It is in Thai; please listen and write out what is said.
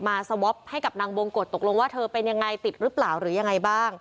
สวอปให้กับนางบงกฎตกลงว่าเธอเป็นยังไงติดหรือเปล่าหรือยังไงบ้าง